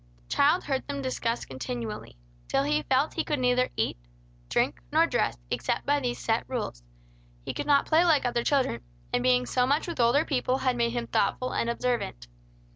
The child heard them discussed continually, till he felt he could neither eat, drink, nor dress, except by these set rules. He could not play like other children, and being so much with older people had made him thoughtful and observant.